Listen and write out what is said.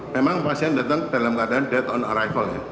memang pasien datang dalam keadaan dead on arrival ya